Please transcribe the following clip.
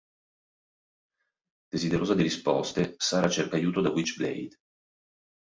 Desiderosa di risposte, Sara cerca aiuto da Witchblade.